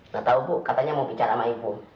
nggak tahu bu katanya mau bicara sama ibu